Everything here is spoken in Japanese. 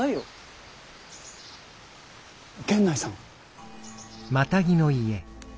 源内さん？